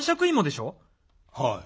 はい。